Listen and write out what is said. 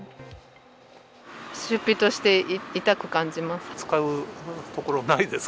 出費として痛く感じます。